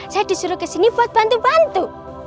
saya disuruh kesini buat bantu bantu